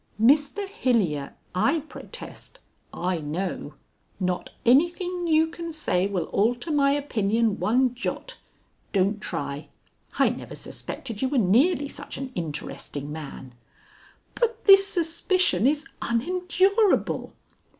"Mr Hilyer, I protest. I know. Not anything you can say will alter my opinion one jot. Don't try. I never suspected you were nearly such an interesting man." "But this suspicion is unendurable!"